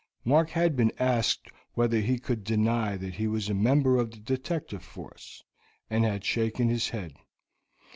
Mark had been asked whether he could deny that he was a member of the detective force, and had shaken his head.